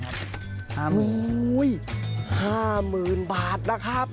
๕๐๐๐๐บาทครับโอ้โฮ๕๐๐๐๐บาทนะครับ